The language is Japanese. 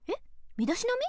みだしなみ？